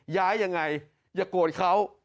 ย้ายยังไงอย่าโกรธเขา